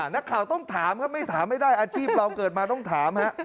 นักข่าวต้องถามครับไม่ถามไม่ได้อาชีพเราเกิดมาต้องถามฮะ